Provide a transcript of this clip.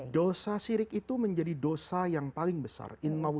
dosa sirik itu menjadi dosa yang paling besar